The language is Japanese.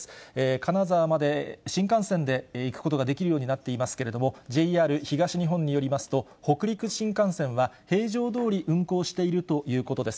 金沢まで新幹線で行くことができるようになっていますけれども、ＪＲ東日本によりますと、北陸新幹線は平常どおり運行しているということです。